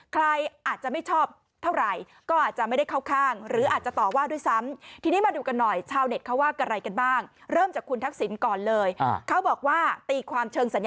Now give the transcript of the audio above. ใครอาจจะไม่ชอบเท่าไหร่ก็อาจจะไม่ได้เข้าข้าง